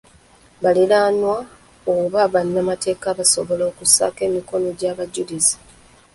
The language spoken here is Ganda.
Baliraanwa oba bannamateeka basobola okussaako emikono ng’abajulizi.